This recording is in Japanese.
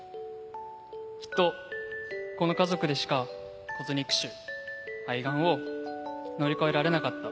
きっと、この家族でしか、骨肉腫、肺がんを乗り越えられなかった。